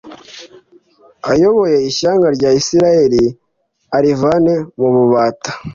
ayobore ishyanga rya Isirayeli arivane mu bubata